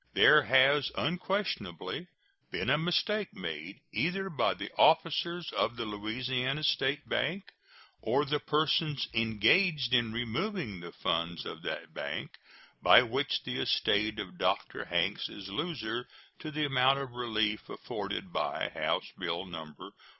There has unquestionably been a mistake made, either by the officers of the Louisiana State Bank or the persons engaged in removing the funds of that bank, by which the estate of Dr. Hanks is loser to the amount of relief afforded by House bill No.